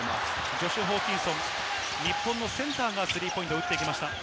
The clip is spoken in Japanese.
ジョシュ・ホーキンソン、日本のセンターがスリーポイントを打ってきました。